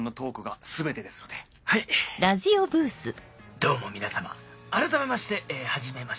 どうも皆さま改めましてはじめまして。